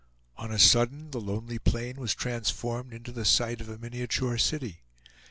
On a sudden the lonely plain was transformed into the site of a miniature city.